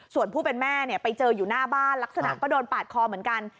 ส่วนผู้เป็นแม่ไปเจออยู่หน้าบ้านลักษณะก็โดนปาดคอเหมือนกัน